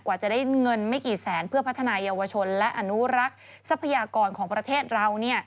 กว่าจะได้เงินไม่กี่แสนเพื่อพัฒนายาวชนและอนุรักษ์ทรัพยากรของประเทศเรา